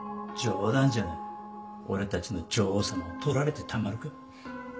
冗談じゃない俺たちの女王様を取られてたまるか。